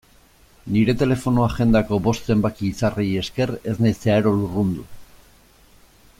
Nire telefono-agendako bost zenbaki izarrei esker ez naiz zeharo lurrundu.